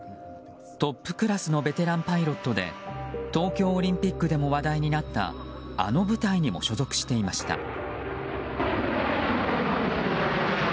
トップクラスのベテランパイロットで東京オリンピックでも話題になった、あの部隊にも所属していました。